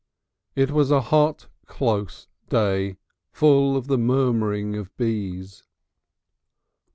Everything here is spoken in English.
It was a hot, close day, full of the murmuring of bees.